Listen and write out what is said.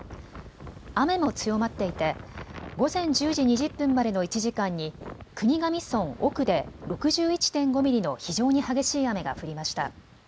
雨も強まっていて午前１０時２０分までの１時間に国頭村奥で６１．５ミリの非常に激しい雨が降りました。